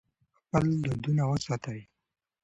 خپل دودونه وساتئ.